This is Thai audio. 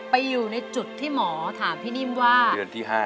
พี่หมอถามพี่นิ่มว่าเดือนที่๕